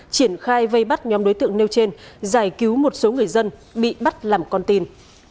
triển khai vây bắt nhóm đối tượng nêu trên giải cứu một số người dân bị bắt làm con tin